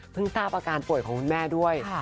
ทราบอาการป่วยของคุณแม่ด้วย